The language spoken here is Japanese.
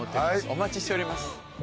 お待ちしております。